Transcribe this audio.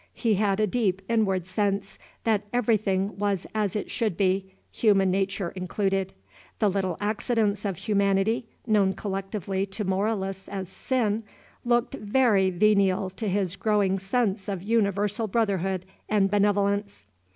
He had a deep inward sense that everything was as it should be, human nature included. The little accidents of humanity, known collectively to moralists as sin, looked very venial to his growing sense of universal brotherhood and benevolence.